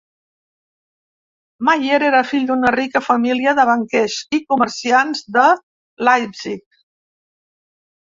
Mayer era fill d'una rica família de banquers i comerciants de Leipzig.